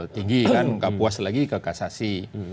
tinggi kan nggak puas lagi ke kasasi